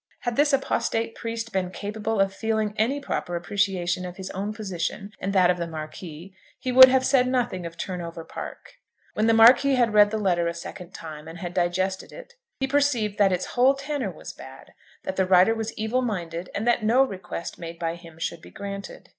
Had this apostate priest been capable of feeling any proper appreciation of his own position and that of the Marquis, he would have said nothing of Turnover Park. When the Marquis had read the letter a second time and had digested it he perceived that its whole tenour was bad, that the writer was evil minded, and that no request made by him should be granted.